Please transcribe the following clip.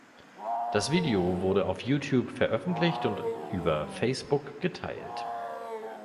Das Video wurde auf Youtube veröffentlicht und über Facebook geteilt.